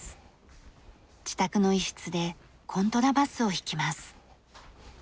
自宅の一室でコントラバスを弾きます。